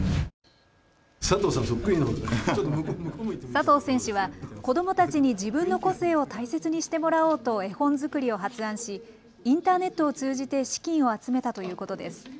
佐藤選手は子どもたちに自分の個性を大切にしてもらおうと絵本作りを発案しインターネットを通じて資金を集めたということです。